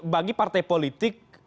bagi partai politik